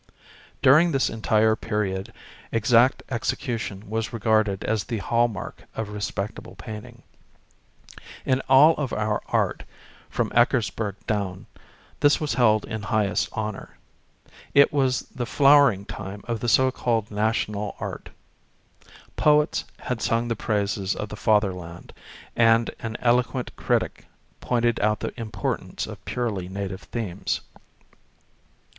During this entire period exact execution was regarded as the hallmark of respectable painting. In all our art, from Eckersburg down, this was held in highest honour. It was the flowering time of the so called national art. Poets had s\mg the praises of the fatherland, and an eloquent critic pointed out the importance of purely native themes.